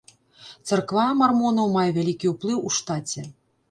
Царква мармонаў мае вялікі ўплыў у штаце.